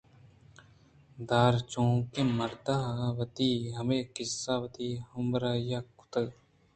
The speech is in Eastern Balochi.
دار چنِوکیں مرد ءَ وتی ہمے قصّہ وتی ہمبراہے ءَ کُتنت